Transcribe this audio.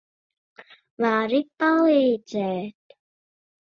Vari palīdzēt?